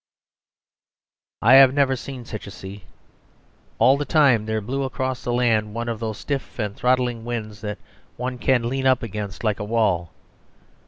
..... I have never seen such a sea. All the time there blew across the land one of those stiff and throttling winds that one can lean up against like a wall.